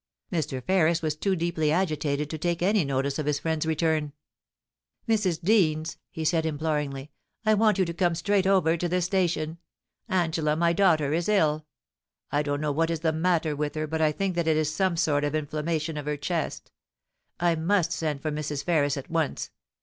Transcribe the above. Mr. Ferris was too deeply agitated to take any notice of his friend's return. 'AT THE CENTRE OF PEACE! 301 * Mrs. Deans T he said imploringly, * I want you to come straight over to the station. Angela, my daughter, is ill I don't know what is the matter with her, but I think that it is some sort of inflammation of her chest I must send for Mrs. Ferris at once.